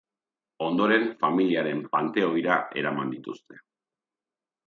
Ondoren, familiaren panteoira eraman dituzte.